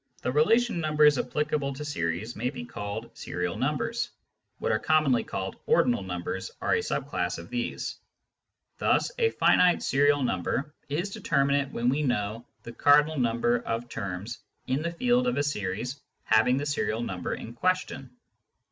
The relation numbers applicable to series may be Similarity of Relations 57 called " serial numbers " (what are commonly called " ordinal numbers " are a sub class of these) ; thus a finite serial number is determinate when we know the cardinal number of terms in the field of a series having the serial number in question.